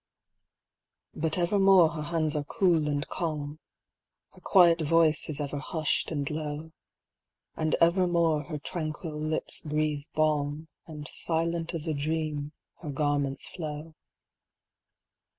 But evermore her hands are cool and calm — Her quiet voice is ever hushed and low ; MY LADY SLEEP 439 And evermore her tranquil lips breathe balm, And silent as a dream her garments flow.